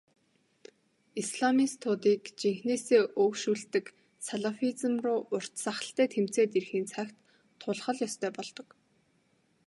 Исламистуудыг жинхэнээсээ өөгшүүлдэг салафизм руу урт сахалтай тэмцээд ирэхийн цагт тулах л ёстой болдог.